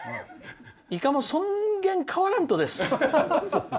イカもそげん変わらんとです。